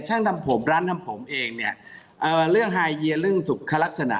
ช่างทำผมร้านทำผมเองเนี่ยเอ่อเรื่องไฮเยียเรื่องสุขลักษณะ